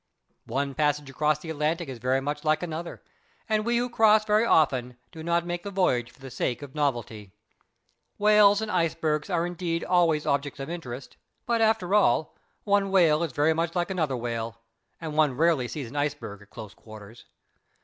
One passage across the Atlantic is very much like another, and we who cross very often do not make the voyage for the sake of novelty. Whales and icebergs are indeed always objects of interest, but, after all, one whale is very much like another whale, and one rarely sees an iceberg at close quarters.